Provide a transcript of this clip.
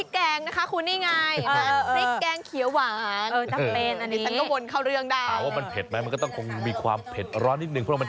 แต่อันนี้เขาต้องใช้พริกแกงนะคะคุณนี่ไง